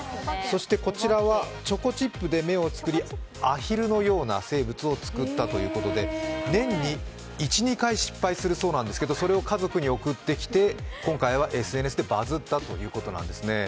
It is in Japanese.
こちらはチョコチップで目を作り、あひるのような生物を作ったということで年に１２回失敗するそうなんですけど、それを家族に送ってきて、今回はＳＮＳでバズったということですね。